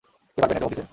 কে পারবেন এর জবাব দিতে?